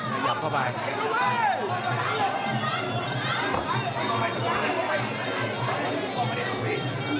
หยับเข้าไป